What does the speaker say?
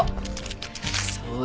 そう。